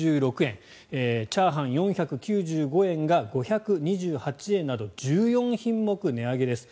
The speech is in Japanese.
チャーハン、４９５円が５２８円など１４品目、値上げです。